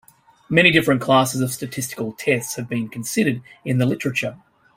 Many different classes of statistical tests have been considered in the literature.